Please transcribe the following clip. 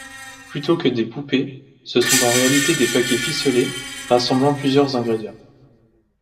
Plutôt que des poupées, ce sont en réalité des paquets ficelés rassemblant plusieurs ingrédients.